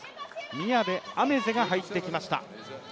宮部愛芽世が入ってきました。